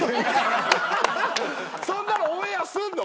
そんなのオンエアすんの？